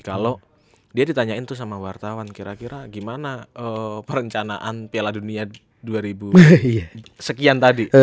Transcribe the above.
kalau dia ditanyain tuh sama wartawan kira kira gimana perencanaan piala dunia dua ribu sekian tadi